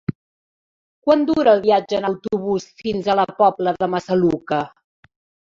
Quant dura el viatge en autobús fins a la Pobla de Massaluca?